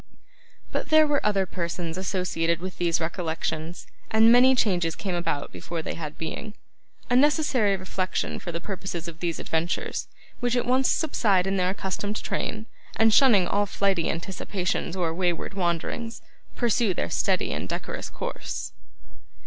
But there were other persons associated with these recollections, and many changes came about before they had being. A necessary reflection for the purposes of these adventures, which at once subside into their accustomed train, and shunning all flighty anticipations or wayward wanderings, pursue their steady and decorous course.